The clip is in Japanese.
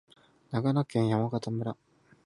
長野県山形村